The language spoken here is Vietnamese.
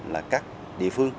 là các địa phương